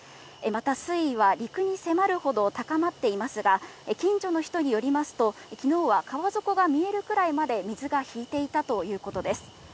また水位は陸に迫るほど高まっていますが、近所の人によりますと、きのうは川底が見えるくらいまで、水が引いていたということです。